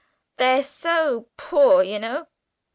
They're so poor, you know.